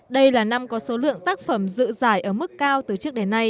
đây là năm có số lượng tác phẩm dự giải ở mức